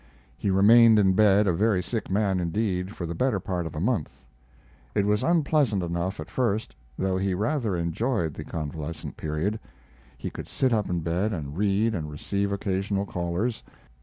He remained in bed, a very sick man indeed, for the better part of a month. It was unpleasant enough at first, though he rather enjoyed the convalescent period. He could sit up in bed and read and receive occasional callers.